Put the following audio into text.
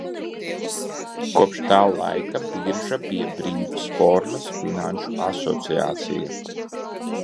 "Kopš tā laika birža bija "brīvas formas" finanšu asociācija."